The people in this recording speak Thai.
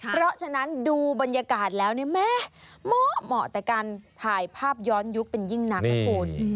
เพราะฉะนั้นดูบรรยากาศแล้วเนี่ยแม่เหมาะแต่การถ่ายภาพย้อนยุคเป็นยิ่งนักนะคุณ